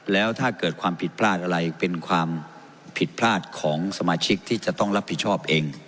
แล้วถ้าเกิดความผิดพลาดอะไรเป็นความผิดพลาดของสมาชิกที่จะต้องรับผิดชอบเอง